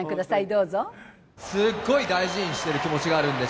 どうぞすっごい大事にしてる気持ちがあるんで